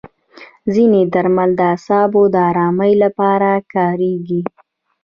ځینې درمل د اعصابو د ارامۍ لپاره کارېږي.